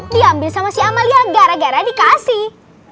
diambil sama si amalia gara gara dikasih